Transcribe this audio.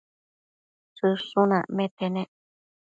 Shëshun acmete nec